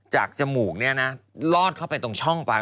จมูกเนี่ยนะลอดเข้าไปตรงช่องไป